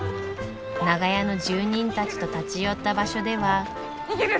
長屋の住人たちと立ち寄った場所では。